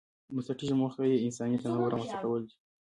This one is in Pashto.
بنسټيزه موخه یې انساني تنوع رامنځته کول دي.